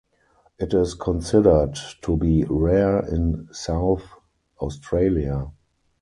It is considered to be rare in South Australia.